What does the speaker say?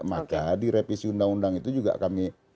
maka di revisi undang undang itu juga kami